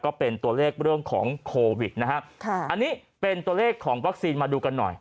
ก็เป็นตัวเลขเรื่องของโควิดนะฮะค่ะอันนี้เป็นตัวเลขของวัคซีนมาดูกันหน่อย